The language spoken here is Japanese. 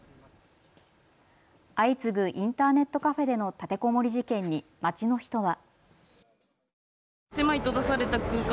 相次ぐインターネットカフェでの立てこもり事件に街の人は。